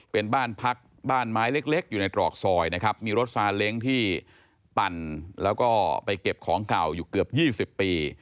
เป็นบ้านพักบ้านไม้เล็กอยู่ในตรอกซอยนะครับมีรถซาเล้งที่ปั่นแล้วก็ไปเก็บของเก่าอยู่เกือบ๒๐ปี